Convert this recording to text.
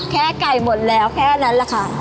ไก่หมดแล้วแค่นั้นแหละค่ะ